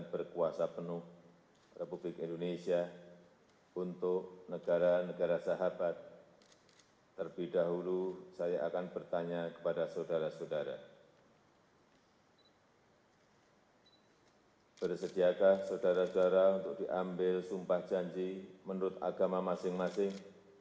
bersediakah saudara saudara untuk diambil sumpah janji menurut agama masing masing